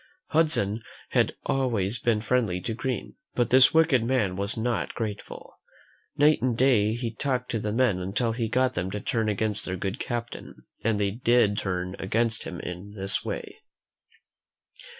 Hudson had always been friendly to Green, but this wicked man was not grateful. Night and day he talked to the men until he got them to turn against their good captain. And they c/id turn against him in this way.